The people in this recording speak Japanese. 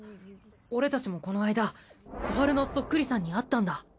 俺たちもこの間コハルのそっくりさんに会ったんだ。